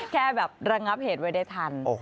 แค่แบบระงับเหตุไว้ได้ทัน